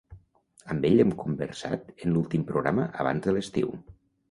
Amb ell hem conversat en l’últim programa abans de l’estiu.